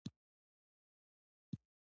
د تخار غنم للمي او ابي وي.